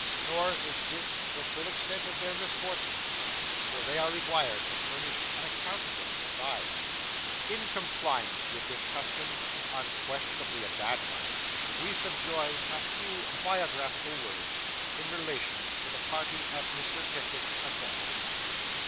Nor is this the full extent of their misfortunes; for they are required to furnish an account of them besides. In compliance with this custom unquestionably a bad one we subjoin a few biographical words, in relation to the party at Mr. Pickwick's assembled.